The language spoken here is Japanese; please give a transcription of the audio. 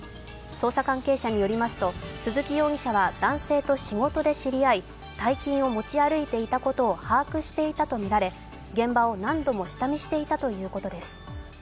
捜査関係者によりますと鈴木容疑者は男性と仕事で知り合い大金を持ち歩いていたことを把握していたとみられ現場を何度も下見していたということです。